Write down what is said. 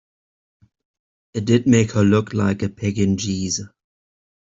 It did make her look like a Pekingese.